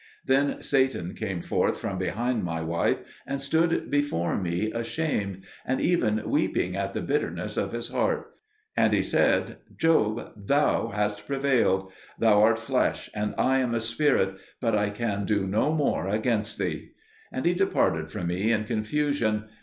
Then Satan came forth from behind my wife, and stood before me ashamed, and even weeping in the bitterness of his heart; and he said, "Job, thou hast prevailed: thou art flesh and I am a spirit, but I can do no more against thee." And he departed from me in confusion.